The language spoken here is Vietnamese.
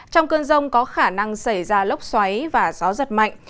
trong cơn rông có khả năng xảy ra lốc xoáy và gió giật mạnh